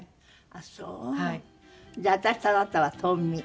じゃあ私とあなたはトンミー。